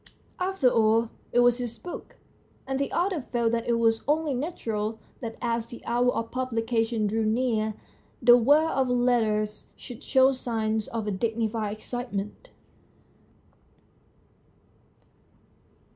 After all it was his book, and the author felt that it was only natural that as the hour of publication drew near the world of letters should show signs of a dignified excitement.